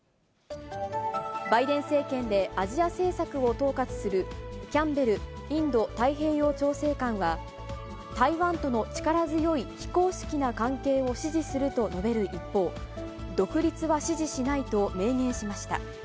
バイデン政権でアジア政策を統括するキャンベルインド太平洋調整官は、台湾との力強い非公式な関係を支持すると述べる一方、独立は支持しないと明言しました。